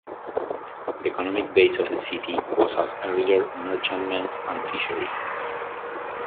The economic base of the city was as earlier merchantmen and fishery.